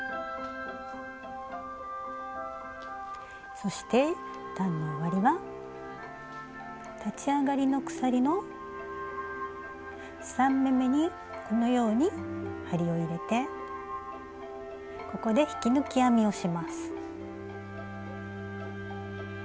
そして段の終わりは立ち上がりの鎖の３目めにこのように針を入れてここで引き抜き編みをします。